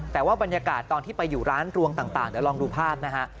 แต่ว่าบรรยากาศตอนที่ไปอยู่ร้านรวงต่างเดี๋ยวลองดูภาพนะฮะ